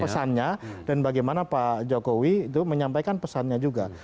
pesannya dan bagaimana pak jokowi itu menyampaikan pesannya juga